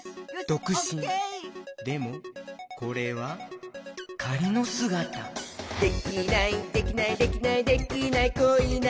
でもこれはかりのすがた「できないできないできないできない子いないか」